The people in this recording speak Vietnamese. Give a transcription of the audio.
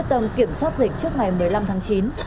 tầm kiểm soát dịch trước ngày một mươi năm tháng chín